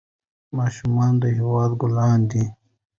ماشومان د هېواد ګلان دي.